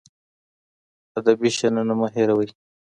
ادبي شننه مه هېروئ.